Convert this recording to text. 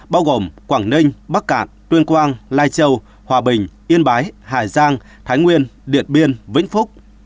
bao gồm quảng ninh bắc cạn tuyên quang lai châu hòa bình yên bái hà giang thái nguyên điện biên vĩnh phúc